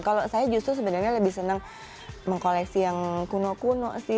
kalau saya justru sebenarnya lebih senang mengkoleksi yang kuno kuno sih